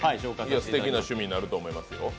すてきな趣味になると思いますよ。